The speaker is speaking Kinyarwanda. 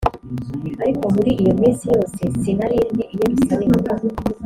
ariko muri iyo minsi yose sinari ndi i yerusalemu